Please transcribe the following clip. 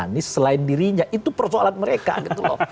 anies selain dirinya itu persoalan mereka gitu loh